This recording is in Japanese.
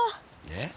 えっ？